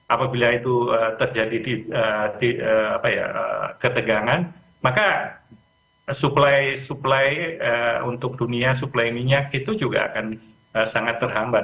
apabila itu terjadi di ketegangan maka supply supply untuk dunia suplai minyak itu juga akan sangat terhambat